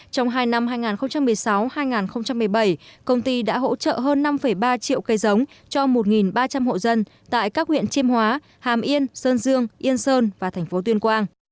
trong hai năm hai nghìn một mươi sáu hai nghìn một mươi bảy công ty đã hỗ trợ hơn năm ba triệu cây giống cho một ba trăm linh hộ dân tại các huyện chiêm hóa hàm yên sơn dương yên sơn và thành phố tuyên quang